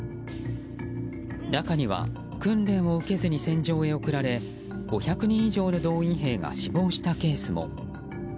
中には、訓練を受けずに戦場へ送られ５００人以上の動員兵が死亡したケースも。